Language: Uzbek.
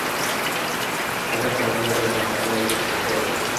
Agar shartni bajarmasa, amaldan quruq qoladi